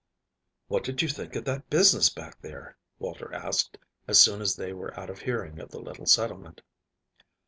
"What did you think of that business back there?" Walter asked, as soon as they were out of hearing of the little settlement.